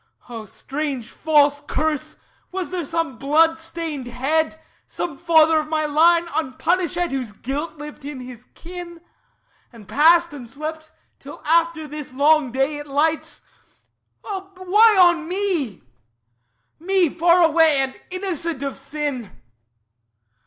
Oh, strange, false Curse! Was there some blood stained head, Some father of my line, unpunishèd, Whose guilt lived in his kin, And passed, and slept, till after this long day It lights... Oh, why on me? Me, far away And innocent of sin?